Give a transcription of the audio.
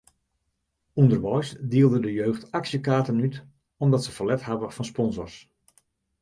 Underweis dielde de jeugd aksjekaarten út omdat se ferlet hawwe fan sponsors.